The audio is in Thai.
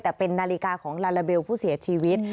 แต่เป็นนาฬิกาของลาลาเบลผู้เสียชีวิต